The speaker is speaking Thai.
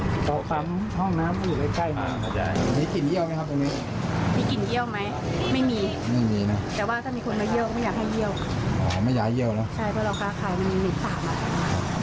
ใช่เพราะร้องค้าขายมันมีมีสตาร์ทมากกว่านั้น